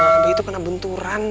nah abah itu kena bunturan